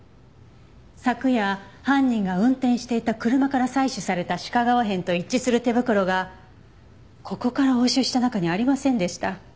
昨夜犯人が運転していた車から採取された鹿革片と一致する手袋がここから押収した中にありませんでした。